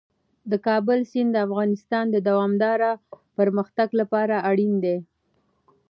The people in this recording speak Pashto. د کابل سیند د افغانستان د دوامداره پرمختګ لپاره اړین دي.